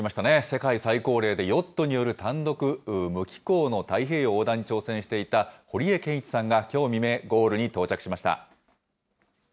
世界最高齢で、ヨットによる単独無寄港の太平洋横断に挑戦していた、堀江謙一さんがきょう未明、ゴールに到着しました。